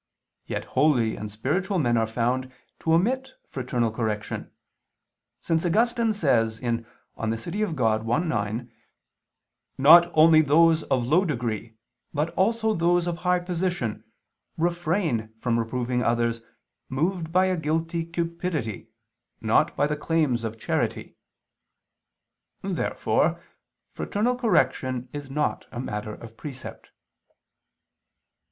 Yet holy and spiritual men are found to omit fraternal correction: since Augustine says (De Civ. Dei i, 9): "Not only those of low degree, but also those of high position, refrain from reproving others, moved by a guilty cupidity, not by the claims of charity." Therefore fraternal correction is not a matter of precept.